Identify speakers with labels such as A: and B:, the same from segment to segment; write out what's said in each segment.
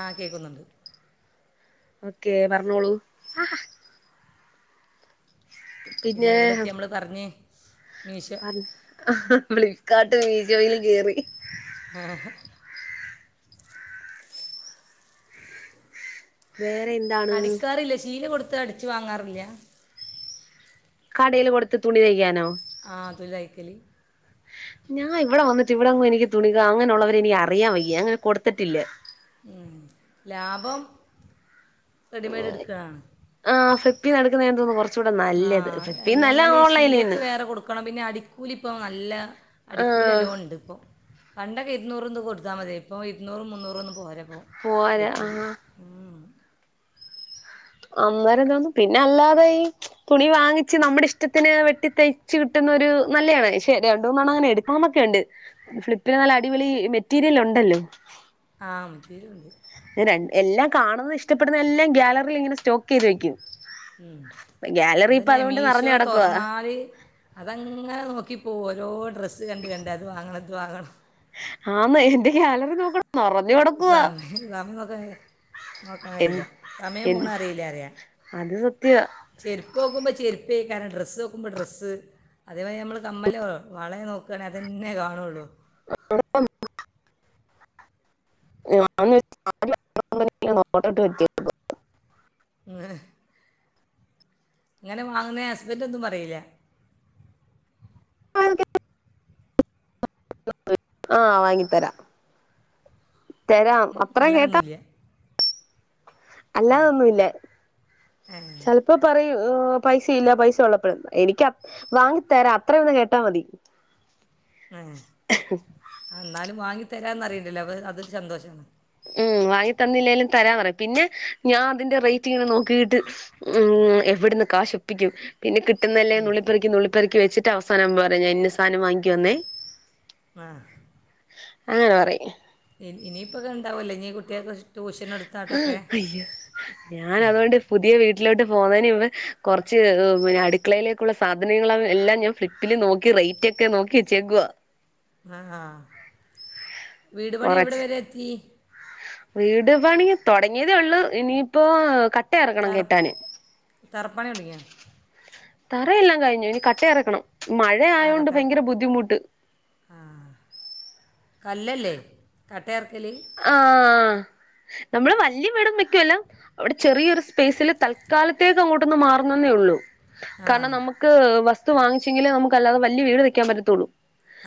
A: ആ കേക്കുന്നുണ്ട്
B: ഓക്കേ പർഞ്ഞോളൂ പിന്നെ
A: എവിടെ എത്തി നമ്മൾ പറഞ്ഞ് മീശോ
B: വിളി കാട്ട് മീശോയില് കേറി
A: ആഹ്‌
B: വേറെ എന്താണ്
A: അടിച്ചു വാങ്ങാറില്ല
B: കടേൽ കൊടുത്ത് തുണി തൈക്കാനോ
A: ആഹ് അതു തൈക്കല്
B: ഞാൻ ഇവിടെ വന്നിട്ട് ഇവിടൊന്നും എനിക്ക് തുണിക അങ്ങനെ ഉള്ളവരെ എനിക്ക് അറിയാൻ വയ്യാ അങ്ങനെ കൊടുത്തിട്ടില്ല
A: മ് ലാഭം റെഡിമെയ്ഡ് എടുക്കാണ്
B: ആഹ് ഫ്ലിപ്പിന്നെടുക്കുന്നയ തോന്നുന്നു കുറച്ച്
A: ആഹ് അല്ലാഞ്ഞാല് ശീലക്ക് വേറെ കൊടുക്കണം. പിന്നെ അടിക്കൂലിപ്പോ നല്ല അടിക്കൂലി
B: ആഹ്
A: നല്ലോണം യെടുക്കും പണ്ടൊക്കെ ഇരുന്നൂറൂംതൊക്കെ കൊടുത്താമതിയായിരുന്നു ഇപ്പോ ഇരുന്നൂറും മുന്നൂറൊന്നും പോര പ്പോ
B: പോരാ
A: അടിക്കൂലി
B: ആഹ്
A: ഹൂം
B: അന്നേരം തോന്നും പിന്നെ അല്ലാതെ ഈ തുണി വാങ്ങിച്ച് നമ്മുടെ ഇഷ്ടത്തിന് വെട്ടി തയ്ച്ച്കിട്ടുന്നൊരു നല്ലേണ് പക്ഷെ രണ്ടൂന്നണ്ണം അങ്ങനെ എടുക്കണോന്നൊക്കെണ്ട് ഫ്ലിപ്പില് നല്ല അടിപൊളി മെറ്റീരിയലുണ്ടല്ലോ.
A: ആഹ് [unintelligible]
B: ഞാൻ രഡ് എല്ലാം കാണുന്നത് ഇഷ്ടപ്പെടുന്ന എല്ലാം ഗ്യാലറിയിൽ ഇങ്ങനെ സ്റ്റോക്ക് ചെയ്ത് വയ്ക്കും
A: ഉം അതെന്നെ
B: അതുകൊണ്ട്
A: മീഷോ
B: നിറഞ്ഞു കിടക്കുവാ
A: തൊർന്നാല് അതങ്ങനെ നോക്കി ഓരോരുത്ത ഡ്രസ് കണ്ട് കണ്ട് അത് വാങ്ങണത് വാങ്ങണം
B: ആന്ന് എന്റെ ഗ്യാലറി നോക്കണം നിറഞ്ഞു കിടക്കുവാ
A: സമയം സമയം നോക്കാൻ നോക്കാൻ
B: എ
A: കഴിയില്ല സമയം
B: എ
A: പോണ അറിയില്ലപറയാ
B: അത് സത്യവാ
A: ചെരപ്പ് നോക്കുമ്പോ ചെര് പ്പേയ്ക്കാരം ഡ്രസ്സ് നോക്കുമ്പോൾ ഡ്രസ്സ് അതേപോലെ നമ്മൾ കമ്മലോ വളേ നോക്കാണെങ്കി അതെന്നെ കാണുള്ളൂ
B: [unintelligible] [unintelligible] നോട്ടട്ട് വെച്ചേക്കുവാ
A: ഉം. ഇങ്ങനെ വാങ്ങുന്നേ ഹസ്ബന്റൊന്നും പറയിലെ
B: [unintelligible] ആഹ് വാങ്ങി തരാ തരാം
A: ഉം,
B: അത്ര കേട്ടാ
A: അല്ലാതൊന്നുമില്ല
B: അല്ലാതൊന്നുല്ല
A: ഏ
B: ചിലപ്പോ പറയും പൈസയില്ല പൈസ ഉള്ളപ്പെളെന്ന് എനിക്ക് വാങ്ങി തരാ അത്ര ഒന്ന് കേട്ടാ മതി
A: ആഹ് എന്നാലും വാങ്ങി തരാന്ന് പറയിണ്ടല്ലോ അപ്പോ അതൊരു സന്തോഷാണ്.
B: ഉം വാങ്ങി തന്നില്ലേലും തരാ പറയും പിന്നെ ഞാൻ അതിന്റെ റേറ്റിങ്ങനെ നോക്കിയിട്ട് ഉം എവിടന്ന് കാശ് ഒപ്പിക്കും പിന്നെ കി എന്നല്ലേ നുള്ളിപ്പെർക്കി നുള്ളിപ്പെർ വെച്ചിട്ട് അവസാനം പറയും ഞാൻ ഇന്ന സാധനം വാങ്ങിക്കാന്നേ
A: ആഹ്
B: അങ്ങനെ പറയും
A: ഇനി ഇനിയിപ്പൊക്കെണ്ടാവുല്ലേ ഇനി കുട്ടിയാകൊക്കെ
B: ആഹ് അയ്യോ ഞാനതുകൊണ്ട് പുതിയ വീ ട്ടിലോട്ട് പോകുന്നതിന് മുമ്പ് കുറച്ച് പിന്നെ അടുക്കളയിലേക്കുള്ള സാധനങ്ങൾ എല്ലാം ഞാൻ ഫ്ലിപ്പിൽ നോക്കി റേറ്റ് ഒക്കെ നോക്കി വച്ചേക്കുവാ
A: ആഹ് ആഹ് വീടു പണി എവിടെ
B: കൊറച്ച്
A: വരെ എത്തീ
B: വീട് പണി തുടങ്ങിയതേ ഒള്ളൂ ഇനിയിപ്പോ ക
A: തറപ് തറപ്പണി തുടങ്ങിയൊ
B: തറയെല്ലാം കഴിഞ്ഞു ഇനി കട്ട എറക്കണം
A: ആ
B: മഴയായോണ്ട്
A: കട്ട
B: ഭയങ്കര ബുദ്ധിമുട്ട്
A: കല്ലല്ലേ ത
B: ആ നമ്മള് വലിയ വീട് വെക്കുവല്ല അവിടെ ചെറിയൊരു സ്പേസില് തൽക്കാലത്തേക്ക് അങ്ങോട്ടൊന്ന് മാറുന്നന്നേ ഉള്ളൂ
A: ആ
B: കാരണം നമുക്ക് വസ് തു വാങ്ങിച്ചെങ്കിലെ നമുക്ക് അല്ലാതെവല്യ വീട് വെക്കാൻ പറ്റത്തുള്ളൂ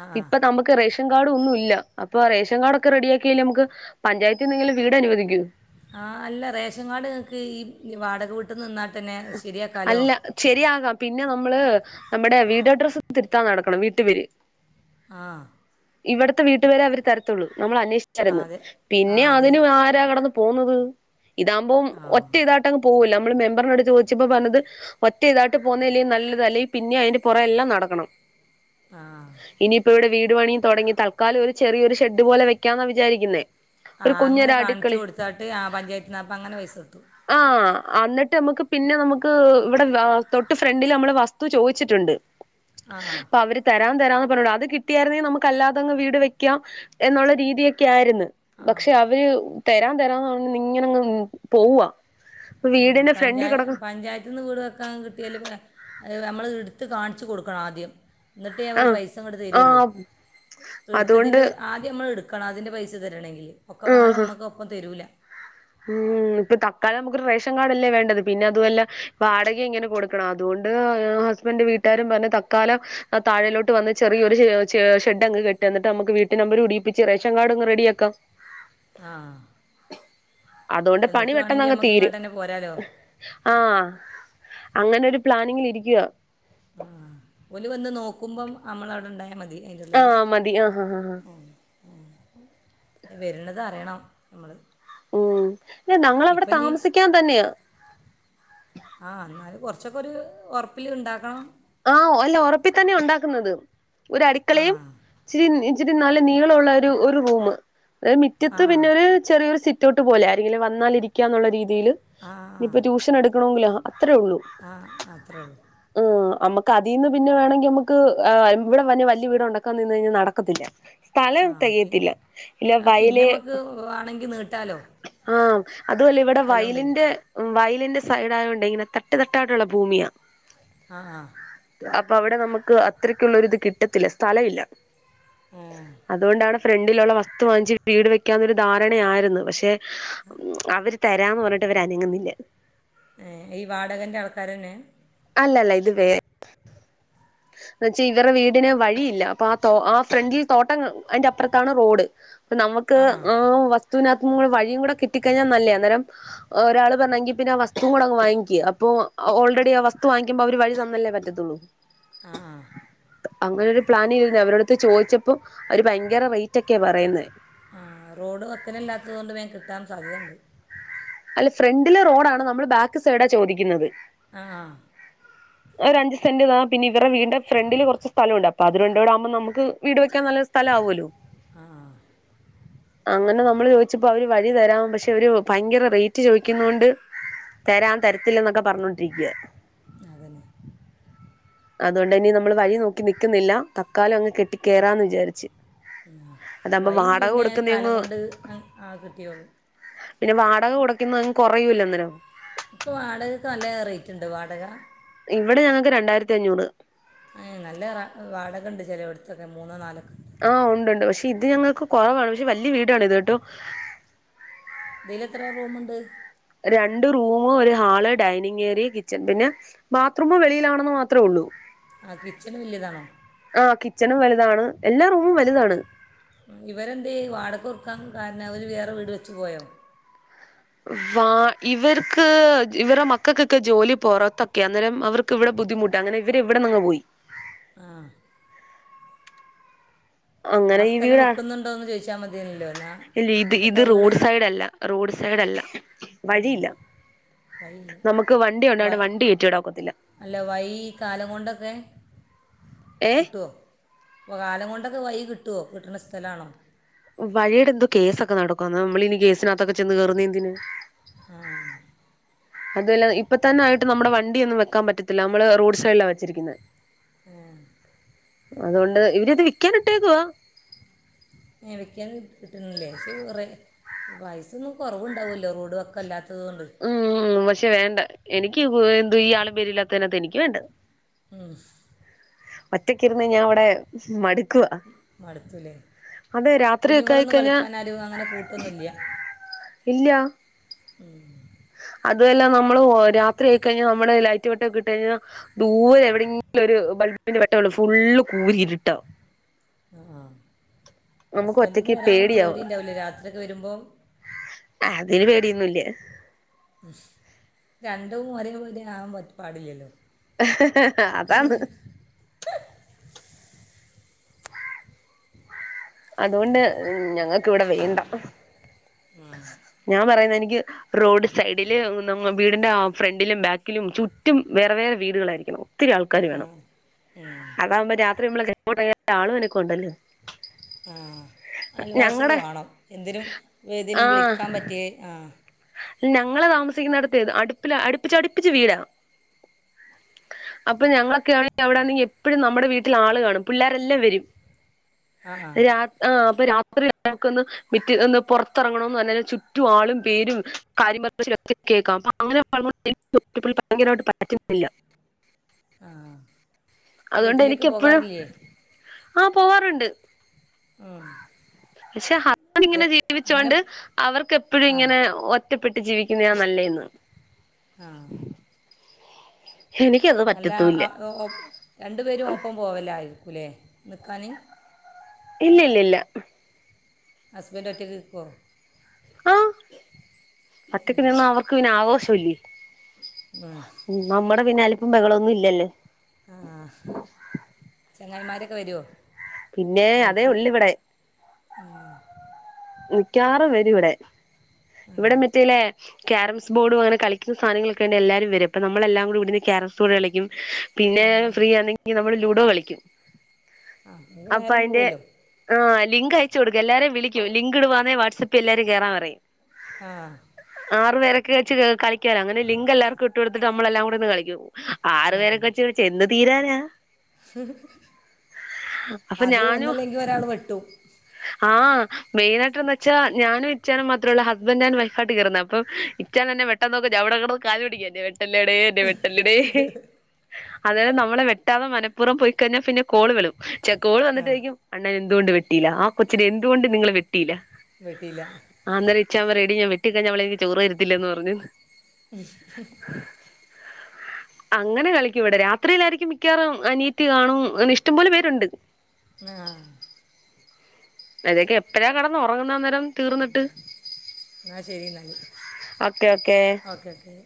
A: ആ ആ
B: ഇപ്പൊ നമുക്ക് റേഷ- ൻകാർഡും ഒന്നും ഇല്ല അപ്പ റേഷൻ കാർഡ് ഒക്കെ റെഡിയാ ലെ നമുക്ക് പഞ്ചായത്തീന്നെങ്കിലും വീട് അനുവദിക്കൂ
A: ആ അല്ല റേഷൻ കാർഡ് ഇങ്ങക്ക് ഈ വാടക വീട്ടി നിന്നാ
B: അല്ല ശരിയാകാം പിന്നെ നമ്മള് നമ്മുടെ വീട് അഡ്രസ്സ് തിരുത്താൻ നടക്കണം വീട്ടുപേര്
A: ആ
B: ഇവിടത്തെ വീട്ടുപേര് അവര് തരത്തൊള്ള് നമ്മൾ
A: ആ
B: അന്വേഷിച്ചിരുന്നു
A: അതെ ആ
B: പിന്നെ
A: അതെ
B: അതിന് ആരാ കെടന്ന് പോന്നത് ഇതാകുമ്പോ
A: ആ
B: ഒറ്റ ഇതായിട്ട് അങ്ങ് പോകൂല്ലോ മ്മള് മെമ്പർ ചോദിച്ചപ്പോ പറഞ്ഞത് ഒറ്റ ഇതായിട്ട് പോന്നല്ലേ നല്ലത് അല്ലെങ്കിൽ പിന്നെ അതിന്റെ പുറകെ എല്ലാം നടക്കണം
A: ആ
B: ഇനിയിപ്പോ ഇവിടെ വീ ട് പണിയും തുടങ്ങി തൽക്കാലം ഒരു ചെറിയൊരു ഷെഡ് പോലെ വെക്കാന്നാ വിചാരിക്കുന്നേ
A: ആ
B: ഒരു
A: അങ്ങനെ
B: കുഞ്ഞൊരു അടുക്കള
A: കാണിച്ചു കൊടുത്താട്ട് ആ പഞ്ചായത്തിപ്പം അങ്ങനെ പൈസ കിട്ടും
B: അന്നിട്ട് മുക്ക് പിന്നെ നമുക്ക് ഇവിടെ തൊട്ട് ഫ്രണ്ടില് നമ്മള് വസ്തു ചോദിച്ചിട്ടുണ്ട്
A: ആ
B: അപ്പൊ അവര് തരാം തരാന്ന് പറഞ്ഞു അത് കിട്ടിയായിരുന്നെങ്കിൽ നമുക്ക് അല്ലാതങ്ങ് വീട് വെക്കാം എന്നുള്ള രീതിക്കെ ആയിരുന്നു പക്ഷെ അവയു തരാം തരാം ന്ന് പറഞ്ഞു ഇങ്ങനെ അങ്ങ് പോവാ വീടിന്റെ ഫ്രണ്ടി-
A: പഞ്ചായത്തിന്ന് വീട് വെക്കാ കിട്ടിയാല് അ നമ്മൾ എടുത്ത് കാണിച്ച് കൊടുക്കണം ആദ്യം എന്നിട്ടേ ആ ഒരു
B: ആഹ്
A: പൈസ അങ്ങട് തരുുള്ളൂ
B: ആഹ് അതുകൊണ്ട്
A: എടുത്തതിൻ്റെ വ ആദ്യം നമ്മൾ എടുക്കണം അതിൻ്റെ പൈസ തരണെങ്കില് ഒക്കെ പാട്
B: ആഹ്
A: നമുക്ക് ഒപ്പം തരൂല്ല.
B: ഉം ഇപ്പൊ തക്കാലം നമുക്കൊരു റേഷൻ കാർഡ്ല്ലേ വേണ്ടത് പിന്നെ അതുഅല്ല വാടക ഇങ്ങനെ കൊടുക്കണം അതുകൊണ്ട് ആ ഹസ്ബൻഡ് വീട്ടാരും പറഞ്ഞ തക്കാലം താഴേലോട്ട് വന്ന് ചെറിയൊരു ഷെ ചെ ഷെഡ് അങ്ങ് കെട്ട് എന്നിട്ട് നമുക്ക് വീട്ട് നമ്പര് ഇടീപ്പിച്ച് റേഷൻ കാർഡ്ങ്ങ് റെഡിയാക്കാം.
A: ആ
B: അതുകൊണ്ട് പണി
A: എന്നിട്ട് വേണമെങ്കിൽ
B: പെട്ടന്നങ്ങ്
A: നമുക്ക്
B: തീരും
A: ഇങ്ങോട്ട് തന്നെ പോരാലോ
B: ഹ് ആ അങ്ങനെ ഒരു പ്ലാനിങ്ങിൽ ഇരിക്കയാ
A: ആ ഒല്ലു വന്ന് നോക്കുമ്പം നമ്മൾ അവിടെ ഉണ്ടായാ മതി. അതിൻ്റെ
B: ആ മതി ആഹ ആ ഹാ ഹാ
A: വരണത് അറിയണം നമ്മള്
B: ഊ യെ നങ്ങൾ അവിടെ താമസിക്കാൻ തന്നെയാ
A: ആ എന്നാല് കുറച്ചൊക്കെ ഒരു ഒറപ്പില് ഉണ്ടാക്കണം.
B: ആ ഒല്ല ഉറപ്പിൽ തന്നെയാ ഉണ്ടാക്കുന്നത്. ഒരു
A: ആ
B: അടുക്കളയും [unintelligible] ഇത്തിരി നല്ല നീളൊള്ള ഒരു ഒരു റൂമ് എ
A: ആ
B: മിറ്റത്ത് പിന്നെ ഒരു ചെറിയൊരു സിറ്റ് ത്തോട്ട് പോലെ ആരെങ്കിലും വന്നാലിരിക്കാ എന്നുള്ള രീതി തില്
A: ആ
B: ഇപ്പ ട്യൂഷൻ എടു റൂമിലാ അത്രേള്ളൂ
A: ആ ആ അത്രേ ഉള്ളൂ
B: ആ അമ്മക്ക് അതീന്ന് പിന്നെ വേണെങ്കി നമ്മക്ക് ഏഹ് ഇവിടെ വന്നെ വലിയ വീടുണ്ടാക്കാ നിന്ന് കഴിഞ്ഞാ നടക്കത്തില്ല സ്ഥലം
A: ആ പി
B: തെകയത്തില്ല ഇല്ല
A: ആ പിന്നെ
B: വയല്
A: നമുക്ക് ആണെങ്കിൽ നീട്ടാലോ
B: ആ അതു അല്ല ഇവടെ
A: സ്ഥലം ഉണ്ടെങ്കിൽ
B: വയലിന്റെ വയ് [inaudible] ഇന്റെ സൈഡായോണ്ടെയിങ്ങനെ തട്ട് തട്ടായിട്ടുള്ള ഭൂമിയാ.
A: അ ആ
B: അപ്പൊ അവിടെ നമുക്ക് അത്രക്കുള്ള ഒരു ഇത് കിട്ടത്തില്ല സ്ഥലം ഇല്ല. അതുകൊണ്ടാണ്- ഫ്രണ്ടിലുള്ള വസ്തു വാങ്ങിച്ച്‌ വീട് വെക്കാന്നൊരു ധാരണയായിരുന്നു പക്ഷെ- അവര് തരാന്ന് പറഞ്ഞ എന്നിട്ട് അവരനങ്ങുന്നില്ല.
A: - ഈ വാടകേന്റെ ആൾക്കാരുതന്നെ
B: അല്ലല്ല ഇത് വേ എന്ന് വച്ചാൽ ഇവരുടെ വീടിന് വഴിയില്ല, അപ്പൊ ഫ്രണ്ടിൽ തോട്ടം കാണാം അതിന്റ അപ്പുറത്താണ് വീട്. നമുക്ക് ആ വസ്തു - വസ്തുനാത്തുകൂടെ വഴീംകൂടെ കിട്ടിഴിഞ്ഞാ നല്ലേ അന്നേരം ഒരാള് പറഞ്ഞെങ്കി പിന്നെ ആ വസ്തു കൂടെ അങ്ങ്‌വാങ്ങിക്ക് അപ്പോ ഓൾറെഡി ആ വസ്തു വാങ്ങിക്കുമ്പ അവര് വഴി തന്നല്ലേ പറ്റത്തുള്ളൂ. പറ്റത്തുള്ളൂ
A: അ ആ
B: അങ്ങനെ ഒരു പ്ലാനിൽ ഇരുന്നയാഅവരുടെ അടുത്ത് ചോദിച്ചപ്പോ അവര് ഭയങ്കര റേറ്റ് ഒക്കെയാ പറയുന്നെ.
A: ആ റോഡ് വക്ക്നല്ലാത്തത് കൊണ്ട് വേഗം കിട്ടാൻ സാധ്യതയുണ്ട്.
B: അല്ല ഫ്രണ്ടിലെ റോഡാണ് നമ്മള് ബാക്ക് സൈഡാ ചോദിക്കുന്നത്.
A: ആഹ
B: ആ രണ്ട് സെന്റ് വേണം പിന്നെ ഇവരുടെ വീടിന്റെ ഫ്രണ്ടില് കുറച്ച് സ്ഥലുണ്ട് അത്‌ രണ്ടൂടെ ആവുമ്പോ നമുക്ക് വീട് വെയ്യ്ക്കാ - വയ്ക്കണ നല്ലൊരു സ്ഥലമാവുമല്ലോ.
A: ആ
B: അങ്ങനെ നമ്മള് ചോദിച്ചപ്പോ അവര് വഴി തരാം പക്ഷെ അവര് ഭയങ്കര റേറ്റ് ചോദിക്കുന്നോണ്ട് തരാം തരത്തില്ലെന്നൊക്കെ പറഞ്ഞൊണ്ടിരിക്കുവാ
A: ആ അതന്നെ
B: അതോണ്ട് ഇനി നമ്മള് വഴി നോക്കി നിക്കുന്നില്ല തക്കാലം അങ്ങ് കെട്ടി കേറാന്ന് വിചാരിച്ച്- അതാകുമ്പോ
A: വഴി
B: വാടക
A: പിന്നെ
B: കൊടുക്കുന്ന
A: കാലം
B: അങ്ങ്
A: കൊണ്ട് കിട്ടിയോളും.
B: പിന്നെ വാടക വാടക കുറയ്ക്കുന്നത് കുറയൂല്ല അന്നേരം.
A: ഇപ്പൊ വാടകക്ക് നല്ല റേറ്റ് ഉണ്ട് വാടക
B: ഇവിടെ ഞങ്ങക്ക് രണ്ടായിരത്തി അഞ്ഞൂറ്
A: ഏ നല്ല വാടക ഉണ്ട് ചേലോട്ത്തൊക്കെ മൂന്നോ നാലൊക്കെ. ഉണ്ട്
B: ആഹ ഉണ്ട് പക്ഷെ ഇത് ഞങ്ങക്ക് കുറവാണ് പക്ഷെ വല്യയ വീടാണ് ഇത് കേട്ടോ.
A: ഇതില് എത്ര റൂമുണ്ട്?
B: രണ്ട് റൂമ്, ഒരു ഹാള്, ഡൈനിങേരിയ കിച്ചൺ പിന്നെ ബാത്റൂമ് വെളിയിലാണെന്ന് മാത്രമേ ഉള്ളൂ.
A: ആ കിച്ചന് വല്യയതാണോ?
B: ആഹ കിച്ചണും വലുതാണ് എല്ലാ റൂമും വലുതാണ്.
A: ഇവരെന്തേ വാടക് കൊട്ക്കാൻ കാരണം അവര് വേറെ വീട് വെച്ചു പോയോ?
B: വാ [inaudible] ഇവരുടെ മക്കൾക്കൊക്കെ ജോലി പൊറത്തൊക്കെയാ അവർക്ക് ഇവിടെ ബുദ്ധിമുട്ടാ അങ്ങനെ ഇവര് ഇവിട്ന്നങ്ങ് പോയി.
A: ആഹ
B: അങ്ങനെ
A: ആ
B: ഈ
A: സ്ഥലം
B: വീടാ
A: വ്ക്കുന്നുണ്ടോന്ന് ചോദിക്ക് - വച്ചാൽ മതിയല്ലോ എന്നാൽ
B: ഇല്ല,
A: നിങ്ങൾക്ക്
B: ഇത്
A: ആ വീട്
B: റോട്
A: കിട്ടും
B: സൈഡ് അല്ല, വഴി ഇല്ല
A: വഴിയില്ല
B: നമുക്ക്
A: വ
B: വണ്ടിഉണ്ടായോണ്ട് കയറ്റി ഇടാൻ ഒക്കത്തില്ല.
A: അല്ല വഴി കാലം കൊണ്ടൊക്കെ
B: ഏഹ്
A: കിട്ടോ? ഇപ്പോ കാലം കൊണ്ടൊക്കെ വഴി കിട്ടോ? കിട്ട്ണ സ്ഥലാണോ?
B: വഴിടെ എന്തോ കേസൊക്കെ നടക്കുവാന്ന് നമ്മളിനി കേസിനകത്തൊക്കെ ചെന്ന് കേറുന്നേ എന്തിന്?
A: ആഹ്
B: അതുവല്ല ഇപ്പ തന്നെ ആയിട്ട് നമ്മടെ വണ്ടി ഒന്നും വെക്കാൻ പറ്റത്തില്ല നമ്മള് റോഡ് സൈഡിലാ വെച്ചിരിക്കുന്നെ.
A: ഏ
B: അതുകൊണ്ട് ഇവരിത് വിക്കാനിട്ടേക്കുവാ
A: എ വെക്കാന് കിട്ടിണില്ലേ ഷി റെ പൈസൊന്നും കൊറവുണ്ടാവല്ലോ റോഡ് വക്കല്ലാത് ത്തതു കൊണ്ട്
B: ക്ഷെ വേണ്ട എനിക്ക് വ് എന്തു ഈ ആളും പേരില്ലാത്തതിനാത്ത് എനിക്ക് വേണ്ട
A: ഉം
B: ഒറ്റക്ക് ഇരുന്ന് ഞാൻ ഇവടെ മടു
A: മടുത്തൂല്ലേ
B: രാത്രിയൊക്കെ
A: കുഞ്ഞുങ്ങളൊന്നും
B: ആയിക്കഴിഞ്ഞാ
A: കളിക്കാനാരും അങ്ങനെ കൂട്ടൊന്നുല്യാ
B: ഇല്യാ
A: ഉം
B: അതു അല്ല നമ്മള് ഓ രാത്രി ആയിക്കഴിഞ്ഞാ നമ്മുടെ ലൈറ്റ് വെട്ടൊക്കെ ഇട്ട കഴിഞ്ഞാൽ ദൂരെ എവിടെങ്കിലും ഒരു ബൾബിന്റെ വെട്ടമൊള്ളു ഫുള്ള് കൂരി രുട്ടാ
A: ആ
B: നമുക്ക്
A: ഹസ്ബന്റിന്
B: ഒറ്റക്ക്
A: വരാൻ
B: പേടിയാവും
A: പേടിയുണ്ടാവില്ലേ രാത്രിയൊക്കെ വരുമ്പോ
B: ആ അതിന് പേടിയൊന്നും ഇല്ല
A: രണ്ടും ഒരേ പോലെ ആവാൻ പാടില്ലല്ലോ
B: അതാണ് അതുകൊണ്ട് ഞങ്ങൾ ഇവിടെ വേണ്ട ഞാൻ പറയുന്ന എനിക്ക് റോഡ് സൈഡില് വീടിന്റെ ഫ്രണ്ടിലും ബാക്കിലും ചുറ്റും വേറെ വേറെ വീടുകളായിരിക്കണം ഒത്തിരി ആൾക്കാര് വേണം അതാവുമ്പോ രാത്രി നമ്മള ആളും അനക്കവും ഉണ്ടല്ലോ
A: ആ അയൽവാസികൾ
B: ഞങ്ങടെ
A: വാണം എന്തിനും ഏതിനും
B: ആഹ്
A: വിളിക്കാൻ പറ്റിയേ ആ
B: ഞങ്ങള് താമസിക്കുന്നിടത്തേ അടുപ്പി അടുപ്പിച്ചടുപ്പിച്ച് വീടാ അപ്പൊ ഞങ്ങളൊക്കെ ആണെങ്കിൽ അവിടെണെങ്കിൽ എപ്പഴും നമ്മുടെ വീട്ടിൽ ആള് കാണും പിള്ളേരെല്ലാം വരും
A: ആ ആ
B: രാ ആഹ് ഇപ്പൊ രാത്രിക്ക്ന്ന് മറ്റ്ന്ന് പുറത്തിറങ്ങണന്ന് പറ ചുറ്റും ആളും പേരും കാര്യം പറ കേക്കാം അ അങ്ങനെക്ക [unintelligible] ഭയങ്കരമായിട്ട് പറ്റുന്നില്ല
A: ആ
B: അതുകൊണ്ട് എനിക്ക് എപ്പോഴും ആ പോവാറുണ്ട്
A: ഉം
B: [unintelligible] ഞാനിങ്ങനെ ജീവിച്ചോണ്ട് അവർക്ക് എപ്പോഴും
A: ആ
B: ഇങ്ങനെ ഒ റ്റപ്പെട്ട് ജീവിക്കുന്നായാ നല്ലെന്ന്
A: ആ
B: എനിക്കത്
A: അല്ല
B: പറ്റത്തൂല്ല
A: രണ്ടു പേരും ഒപ്പം പോവല്ല ആയിരിക്കൂലേ നിക്കാന്
B: ഇല്ല ഇല്ല ല്ല
A: ഹസ്ബൻഡ് ഒറ്റക്ക് നികൊ
B: ആ ഒറ്റക്ക് നിന്നും അവർക്ക് പിന്നെ ആഘോഷ [unintelligible]
A: അ
B: ഇടെ പിന്നാലും അൽപും ബഹളം ഇല്ല ല്ലേ
A: ആഹ ചെങ്ങായിമാരൊക്കെ വരോ
B: പിന്നെ അതേ ഉള്ളിവിടെ മിക്കവാറും വരും ഇവിടെ ഇവിടെ മറ്റല്ലേ കാരംസ് ബോഡും അങ്ങനെ കളിക്ക സധനങ്ങളൊക്കെണ്ട് എല്ലാരുംവരും അപ്പം നമ്മളെല്ലാം കൂടി ഇവിടുന്ന് കാരംസ് ബോഡ് കളിക്കും പിന്നെ ഫ്രീ ആണെങ്കി നമ്മള് ലൂഡോ കളിക്കും
A: ആ അപ്പം നമുക്ക്
B: അപ്പ
A: നേരം
B: അതിന്റെ
A: പോവുമല്ലോ
B: ആ ലിങ്ക് അയച്ച കൊടുക്ക് എല്ലാരേ വിളികൂ ലിങ്ക് ഇടുവാന്നെ വാട്സആപ്പിൽ എല്ലാരും കേറാൻ പറയും
A: അ
B: ആറുപേരൊക്കെവച്ച് കളിക്കുവല്ലോങ്ങനെ ലിങ്ക് എല്ലാവർക്കും ഇട്ട് കൊടുത്തിട്ട് നമ്മളെല്ലാം കൂടെരിന്ന് കളിക്കും ആറുപേരൊക്കെ വച്ച് വച്ച് എന്ന് പിരാന അപ്പൊ
A: അത് ഒന്നില്ലെങ്കിൽ ഒരാൾ വെട്ടു
B: ആ മെയിനായിട്ട് എന്ന് വച്ചാ ഞാനും ഇച്ചാനും മാത്രമേയുള്ളൂ ഹസ്ബൻറ് ആൻ വൈഫ് ആട്ട് കേറുന്ന അപ്പം ഇച്ചാൻ എന്നെ വെട്ട നോക്കും ഞാൻ അവിടെകിടന്നു കാല് പിടിക്കും എന്നെ വെ വല്ലടെ എന്നെ വെട്ടല്ലടെ അന്നേരം നമ്മളെ വെ ഇതാകുമ്പം മനഃപൂർവ്വം പോയിഴിഞ്ഞാൽ പിന്നെ കോള് വിളും ചെക്കോൾ വന്നിട്ട് ചോദിക്കും അണ്ണാ എന്ത് എന്തുകൊണ്ട് വെട്ടിയില്ല ആ കൊച്ചിനെ എന്തുകൊണ്ട് നിങ്ങള് വി ടീല്ല
A: വെട്ടിയില്ല
B: അന്നേരം ഇച്ചായൻ പറയു എടീ ഞാൻ വെ വെട്ടി കഴിഞ്ഞാൽ അവളെ എനിക്ക് ചോറു തരത്തില്ലന്ന് പറഞ്ഞു
A: ഉം
B: അങ്ങനെ കളിക്കും ഇവിടെ രാത്രിയിലായിരിക്കും മിക്കവാറും അനിയത്തി കാണും ഇഷ്ടം പോലെ പേരുണ്ട്
A: ആ
B: അതൊക്കെ എ പ്പഴ കെടന്ന് ഒറങ്ങുന്നത് അ നേരം തീർന്നിട്ട്
A: എന്നാൽ ശരി എന്നാൽ
B: ഓക്കെ ഓക്കെ
A: ഓക്കെ ഓക്കെ